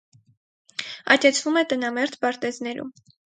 Աճեցվում է տնամերձ պարտեզներում։